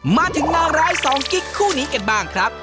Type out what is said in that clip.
มาถึงนางร้ายสองกิ๊กคู่นี้กันบ้างครับ